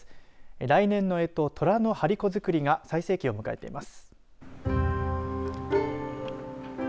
来年のえと、とらの張り子づくりが最盛期を迎えています。